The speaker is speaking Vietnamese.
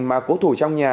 mà cố thủ trong nhà